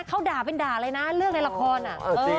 เขาด่าเป็นด่าเลยนะเรื่องในละคร